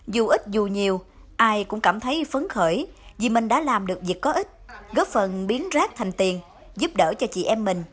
dù ít dù nhiều ai cũng cảm thấy phấn khởi vì mình đã làm được việc có ích góp phần biến rác thành tiền giúp đỡ cho chị em mình